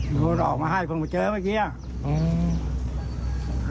อื้อโยนออกมาให้เท่าไหร่เท่าไหร่เจอเมื่อกี้